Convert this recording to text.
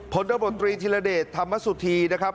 ตบตรีธิรเดชธรรมสุธีนะครับ